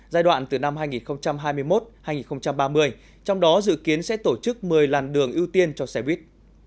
giai đoạn từ năm hai nghìn hai mươi một hai nghìn ba mươi trong đó dự kiến sẽ tổ chức một mươi làn đường ưu tiên cho xe buýt